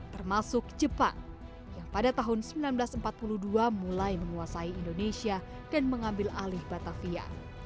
termasuk jepang yang pada tahun seribu sembilan ratus empat puluh dua mulai menguasai indonesia dan mengambil alih batavia